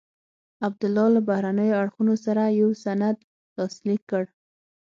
عبدالله له بهرنیو اړخونو سره یو سند لاسلیک کړ.